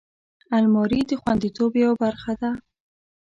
الماري د خوندیتوب یوه برخه ده